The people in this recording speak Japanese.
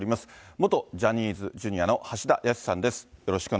元ジャニーズＪｒ．の橋田康さんです。